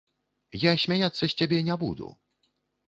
Я смяяцца з цябе не буду.